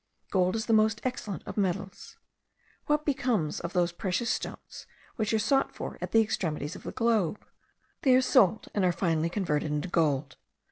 Gold is the most excellent of metals. What becomes of those precious stones, which are sought for at the extremities of the globe? They are sold, and are finally converted into gold.